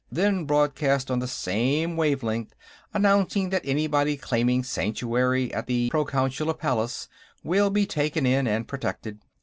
Then broadcast on the same wavelength; announce that anybody claiming sanctuary at the Proconsular Palace will be taken in and protected.